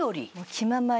気ままに。